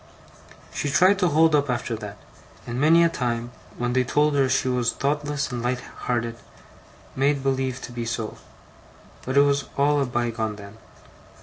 'She tried to hold up after that; and many a time, when they told her she was thoughtless and light hearted, made believe to be so; but it was all a bygone then.